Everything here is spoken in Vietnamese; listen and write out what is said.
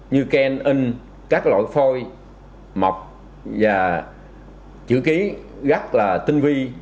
như khen in các loại phôi mọc và chữ ký gắt là tinh vi